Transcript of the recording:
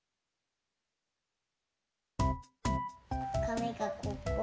かみがここ。